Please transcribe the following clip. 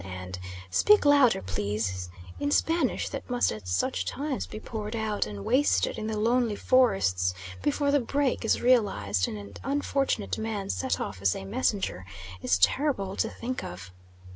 and "Speak louder, pleases" in Spanish that must at such times be poured out and wasted in the lonely forests before the break is realised and an unfortunate man sent off as a messenger, is terrible to think of.